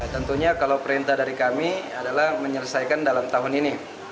tentunya kalau perintah dari kami adalah menyelesaikan dalam tahun ini